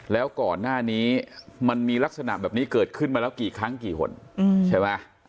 แล้วก่อนหน้านี้มันมีลักษณะแบบนี้เกิดขึ้นมาแล้วกี่ครั้งกี่คนใช่ไหม